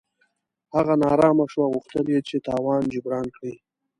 هغه نا ارامه شو او غوښتل یې چې تاوان جبران کړي.